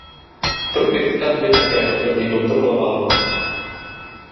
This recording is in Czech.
Průběh stavby také osobně kontroloval.